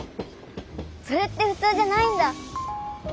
それってふつうじゃないんだ！